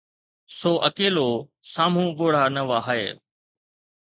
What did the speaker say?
سو اڪيلو، سامهون ڳوڙها نه وهائي.